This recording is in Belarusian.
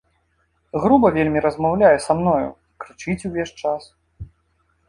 Груба вельмі размаўляе са мною, крычыць увесь час.